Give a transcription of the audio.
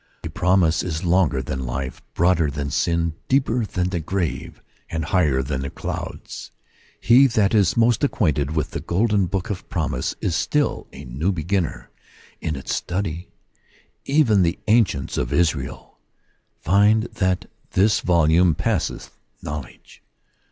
The promise is longer than life, broader than sin, deeper than the grave, and higher than the clouds. He that is most acquainted with the golden book of promise is still a new beginner in its study: even the ancients of Israel find that this volume passeth knowledge.